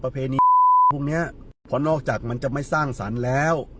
ประเพณีพรุ่งเนี้ยเพราะนอกจากมันจะไม่สร้างสรรค์แล้ว